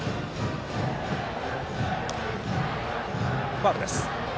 ファウルです。